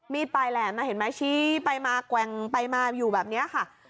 มีดปลายแหลมนะเห็นมั้ยชี้ไปมากแกวงไปมาอยู่แบบเนี้ยค่ะ